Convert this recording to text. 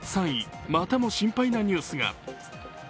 ３位、またも心配なニュースが。